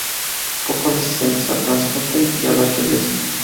Poco resistentes al transporte, y a las lluvias.